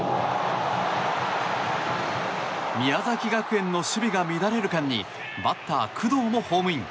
宮崎学園の守備が乱れる間にバッター工藤もホームイン。